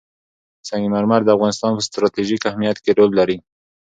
سنگ مرمر د افغانستان په ستراتیژیک اهمیت کې رول لري.